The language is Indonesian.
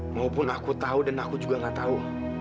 maupun aku tau dan aku juga gak tau